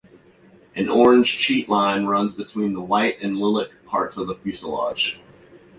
An orange cheat line runs between the white and lilac parts of the fuselage.